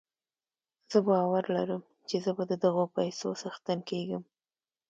زه باور لرم چې زه به د دغو پيسو څښتن کېږم.